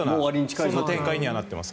そういう展開になっています。